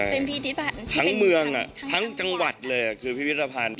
เป็นพิพิธภัณฑ์ที่เป็นทั้งเมืองทั้งจังหวัดเลยคือพิพิธภัณฑ์